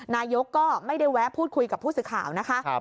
นายกก็ไม่ได้แวะพูดคุยกับผู้สื่อข่าวนะคะ